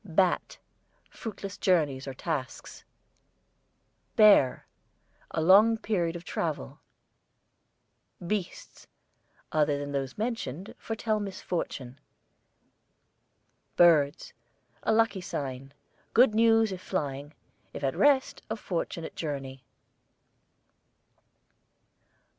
BAT, fruitless journeys or tasks. BEAR, a long period of travel. BEASTS, other than those mentioned, foretell misfortune. BIRDS, a lucky sign; good news if flying, if at rest a fortunate journey.